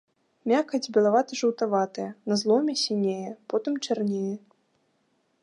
Мякаць белавата-жаўтаватая, на зломе сінее, потым чарнее.